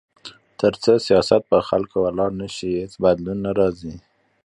تر څو سیاست پر خلکو ولاړ نه شي، هیڅ بدلون نه راځي.